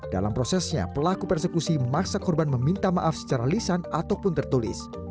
dalam prosesnya pelaku persekusi memaksa korban meminta maaf secara lisan ataupun tertulis